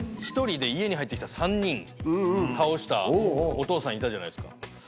１人で家に入って来た３人倒したお父さんいたじゃないですか。